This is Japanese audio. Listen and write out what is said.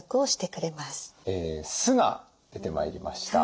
酢が出てまいりました。